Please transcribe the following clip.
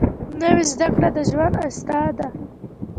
نوې زده کړه د ژوند اسره ده